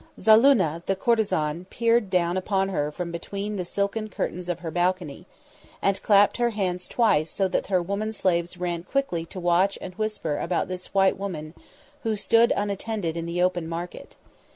Zulannah the courtesan peered down upon her from between the silken curtains of her balcony, and clapped her hands twice so that her woman slaves ran quickly to watch and whisper about this white woman who stood unattended in the open market.